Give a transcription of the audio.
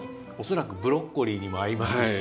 恐らくブロッコリーにも合いますし。